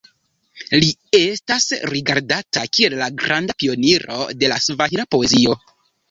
Li estas rigardata kiel la granda pioniro de la svahila poezio.